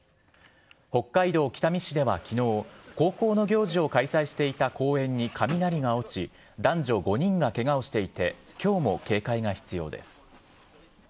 北海道北見市ではきのう、高校の行事を開催していた公園に雷が落ち、男女５人がけがをしていて、きょうも警戒が必要です。